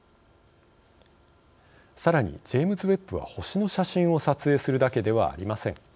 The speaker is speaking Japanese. さらにジェームズ・ウェッブは星の写真を撮影するだけではありません。